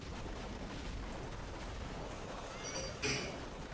Rozhledna poskytuje nádherné výhledy.